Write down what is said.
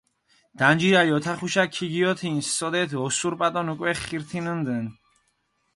დანჯირალ ოთახუშა ქიგიოთინჷ, სოდეთ ოსურპატონ უკვე ხირთინუნდუნ.